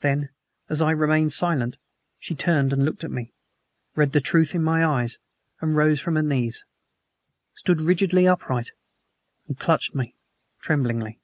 Then, as I remained silent, she turned and looked at me, read the truth in my eyes, and rose from her knees, stood rigidly upright, and clutched me tremblingly.